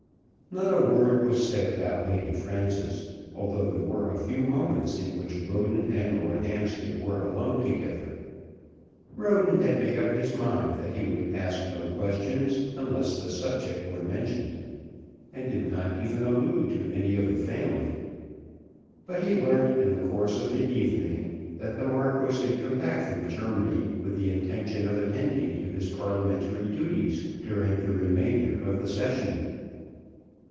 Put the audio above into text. Not a word was said about Lady Frances, although there were a few moments in which Roden and Lord Hampstead were alone together. Roden had made up his mind that he would ask no questions unless the subject were mentioned, and did not even allude to any of the family; but he learnt in the course of the evening that the Marquis had come back from Germany with the intention of attending to his Parliamentary duties during the remainder of the Session.